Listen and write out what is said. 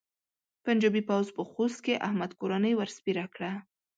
پنجاپي پوځ په خوست کې احمد کورنۍ ور سپېره کړه.